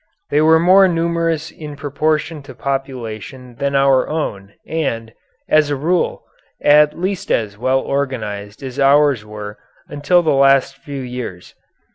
They were more numerous in proportion to population than our own and, as a rule, at least as well organized as ours were until the last few years.